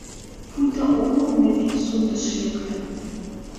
Пуйто омыл мый Пицундыш лектын, —